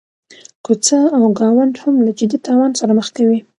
کوڅه او ګاونډ هم له جدي تاوان سره مخ کوي.